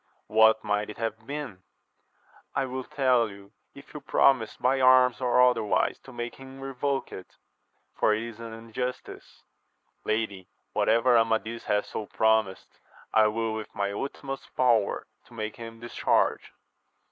— What might it have been 1 — ^I will tell you, if you will promise by arms or otherwise to make him revoke it, for it is an injustice. — Lady, whatever Amadis hath so promised, I will with my utmost power make him discharge.